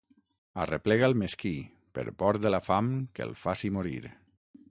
Arreplega el mesquí, per por de la fam que el faci morir.